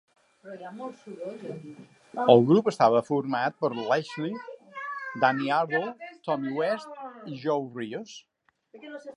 El grup estava format per Lerchey, Danny Ardell, Tommy West i Joe Rios.